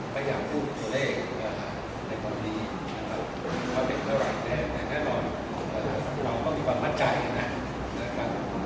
ในความดีพอเด็กแล้วหลังแดนแน่นอนเราต้องมีความมัดใจ